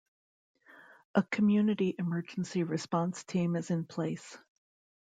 A Community Emergency Response Team is in place.